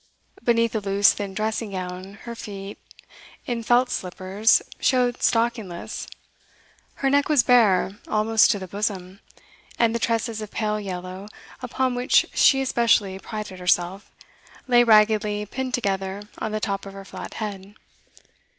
Beneath a loose thin dressing gown her feet, in felt slippers, showed stockingless, her neck was bare almost to the bosom, and the tresses of pale yellow, upon which she especially prided herself, lay raggedly pinned together on the top of her flat head.